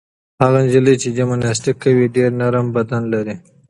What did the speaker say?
هغه نجلۍ چې جمناسټیک کوي ډېر نرم بدن لري.